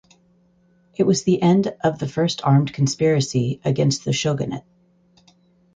It was the end of the first armed conspiracy against the shogunate.